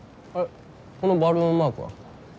このバルーンマークは？